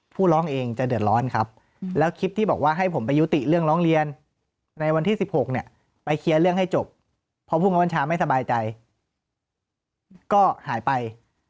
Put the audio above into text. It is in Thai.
ร้องเองจะเดือดร้อนครับแล้วคลิปที่บอกว่าให้ผมไปยุติเรื่องร้องเรียนในวันที่๑๖เนี่ยไปเคลียร์เรื่องให้จบเพราะผู้บังคับบัญชาไม่สบายใจก็หายไป